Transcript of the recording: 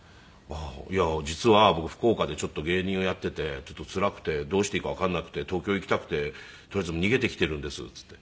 「いや実は僕福岡で芸人をやっていてちょっとつらくてどうしていいかわかんなくて東京行きたくてとりあえず逃げてきているんです」って言って。